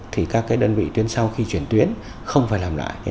thì các đơn vị tuyến sau khi chuyển tuyến không phải làm lại